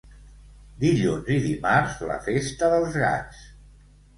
Dilluns i dimarts, la festa dels gats.